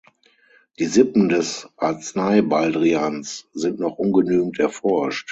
Die Sippen des Arznei-Baldrians sind noch ungenügend erforscht.